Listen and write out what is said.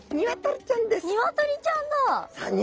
ニワトリちゃんです！